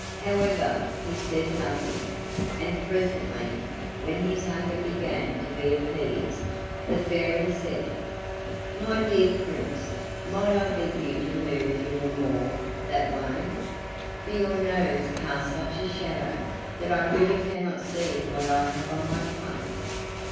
However, he said nothing, and presently, when his hunger began to be appeased, the Fairy said: "My dear Prince, might I beg you to move a little more that way, for your nose casts such a shadow that I really cannot see what I have on my plate.